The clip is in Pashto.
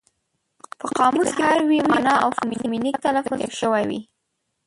په قاموس کې د هر ویي مانا او فونیمک تلفظ ذکر شوی وي.